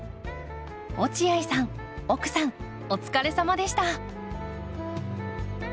落合さん奥さんお疲れさまでした。